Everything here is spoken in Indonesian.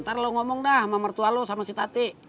ntar lu ngomong dah sama mertua lu sama si tati